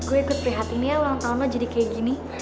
gue ikut prihatinnya ulang tahun lo jadi kayak gini